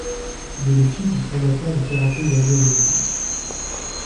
Il est le fils du fondateur du karaté Wadō-ryū.